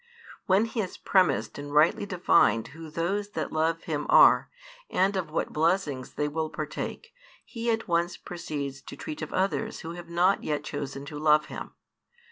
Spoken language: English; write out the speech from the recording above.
When He has premised and rightly defined who those that love Him are, and of what blessings they will partake, He at once proceeds to treat of others who have not yet chosen to love Him.